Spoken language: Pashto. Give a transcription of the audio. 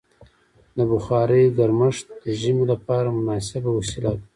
د بخارۍ ګرمښت د ژمي لپاره مناسبه وسیله ده.